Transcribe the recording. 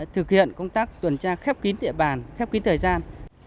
thực hiện công tác tuần tra khép kín địa bàn khép kín thời gian